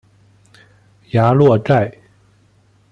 雅洛盖。